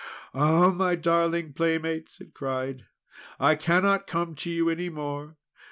"Ah! darling playmates!" it cried. "I cannot come to you any more!